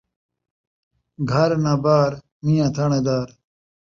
گھر ناں ٻار ، میاں تھاݨیدار